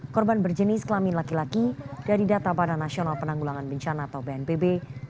korban berjenis kelamin laki laki dari data badan nasional penanggulangan bencana atau bnpb